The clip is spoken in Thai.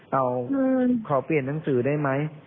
เอาขอเปลี่ยนหนังสือได้ไหม